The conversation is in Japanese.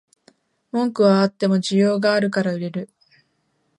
文句はあっても需要があるから売れる